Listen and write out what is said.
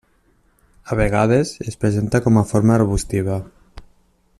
A vegades es presenta com a forma arbustiva.